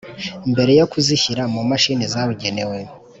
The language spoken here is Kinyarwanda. Mbere yo kuzishyira mu mashini zabugenewe